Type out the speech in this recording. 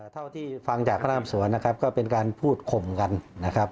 เท่าที่ฟังจากพระรามสวนนะครับก็เป็นการพูดข่มกันนะครับ